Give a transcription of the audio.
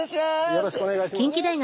よろしくお願いします。